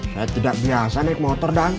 saya tidak biasa naik motor dah